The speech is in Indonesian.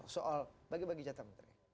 soal bagi bagi catatan